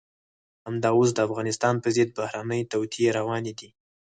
همدا اوس د افغانستان په ضد بهرنۍ توطئې روانې دي.